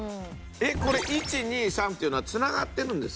これ１２３っていうのはつながってるんですか？